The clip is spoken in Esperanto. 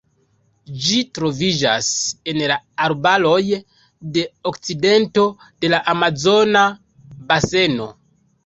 Ĝi troviĝas en arbaroj de okcidento de la Amazona Baseno.